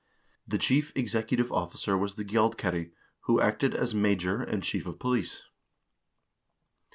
The chief executive officer was the gjaldkeri, who acted as major and chief of police.